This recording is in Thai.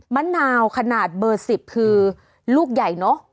มะนาวขนาดเบอร์๑๐คือลูกใหญ่เนอะ